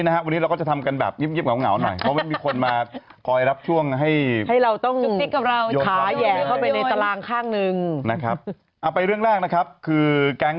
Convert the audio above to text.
หลายครั้ง